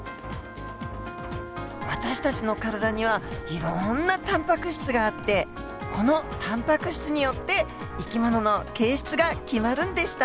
私たちの体にはいろんなタンパク質があってこのタンパク質によって生き物の形質が決まるんでした。